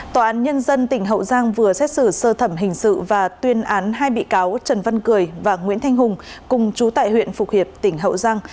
tòa án nhân dân tỉnh hậu giang vừa xét xử sơ thẩm hình sự và tuyên án hai bị cáo trần văn cười và nguyễn thanh hùng cùng chú tại huyện phục hiệp tỉnh hậu giang